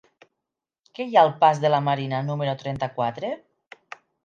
Què hi ha al pas de la Marina número trenta-quatre?